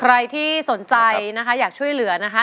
ใครที่สนใจนะคะอยากช่วยเหลือนะคะ